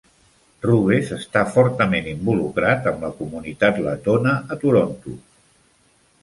Rubess estava fortament involucrat amb la comunitat letona a Toronto.